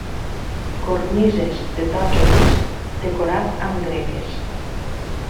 Cornises de totxo vist decorat amb greques.